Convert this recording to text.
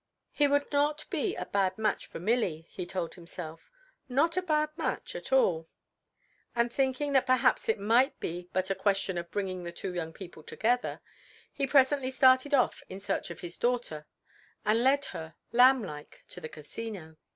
He would not be a bad match for Milly, he told himself, not a bad match at all; and thinking that perhaps it might be but a question of bringing the two young people together, he presently started off in search of his daughter and led her, lamb like, to the Casino.